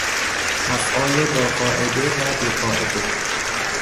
افعال با قاعده و بی قاعده